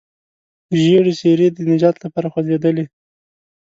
ژېړې څېرې د نجات لپاره خوځېدلې.